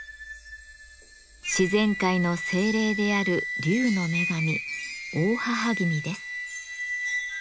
自然界の精霊である竜の女神大妣君です。